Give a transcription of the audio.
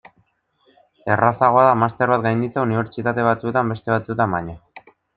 Errazagoa da master bat gainditzea unibertsitate batzuetan beste batzuetan baino.